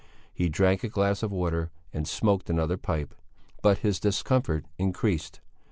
He drank a glass of water and smoked another pipe. But his discomfort increased.